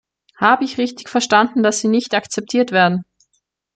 Habe ich richtig verstanden, dass sie nicht akzeptiert werden?